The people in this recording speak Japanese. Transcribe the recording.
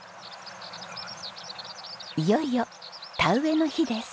いよいよ田植えの日です。